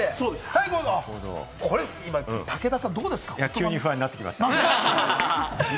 急に不安になってきました。